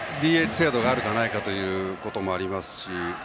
ＤＨ制度があるかないかということもありますし